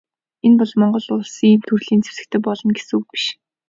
Энэ нь Монгол Улс ийм төрлийн зэвсэгтэй болно гэсэн үг биш.